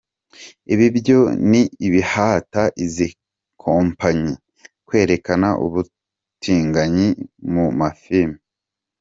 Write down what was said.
Ibi byose ni ibihata izi kompanyi kwerekana ubutinganyi mu mafilime.